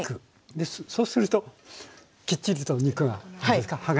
そうするときっちりと肉が剥がれない。